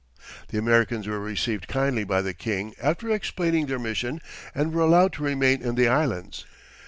The Americans were received kindly by the King after explaining their mission and were allowed to remain in the Islands.